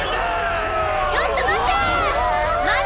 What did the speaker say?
ちょっと待ったァ！